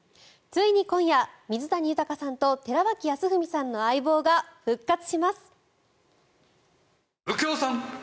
ついに今夜水谷豊さんと寺脇康文さんの「相棒」が復活します。